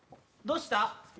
どうした？